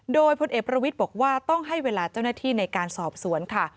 โดยพลเอกประวิทย์บอกว่าต้องให้เวลาเจ้าหน้าที่ในการสอบสวนค่ะ